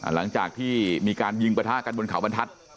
หลังจากที่มีการยิงประทะกันบนเขาบรรทัศน์